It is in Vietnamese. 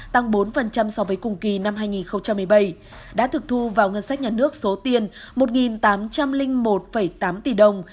tăng bốn so với cùng kỳ năm hai nghìn một mươi bảy đã thực thu vào ngân sách nhà nước số tiền một tám trăm linh một tám tỷ đồng